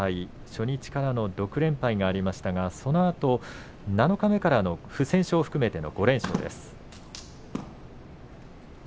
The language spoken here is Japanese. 初日からの６連敗がありましたが七日目から不戦勝を含めて５連勝です。